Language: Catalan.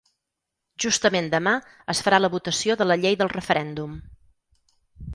Justament demà es farà la votació de la llei del referèndum.